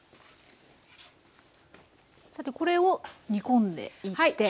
さてこれを煮込んでいって。